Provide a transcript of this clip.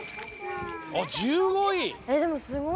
あっ１５い！